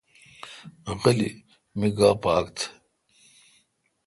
غلی می گاؘ پاک تھ۔